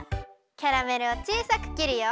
キャラメルをちいさくきるよ。